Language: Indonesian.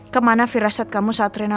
kemana firasat kamu saat rena lahir mas